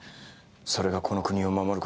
それがこの国を守る事。